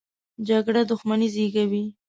جګړه دښمني زېږوي